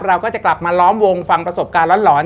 เราก็จะกลับมาล้อมวงฟังประสบการณ์หลอน